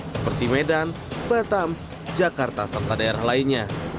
seperti medan batam jakarta serta daerah lainnya